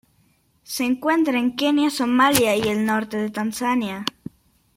Se encuentra en Kenia, Somalia y el norte de Tanzania.